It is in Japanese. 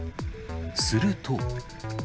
すると。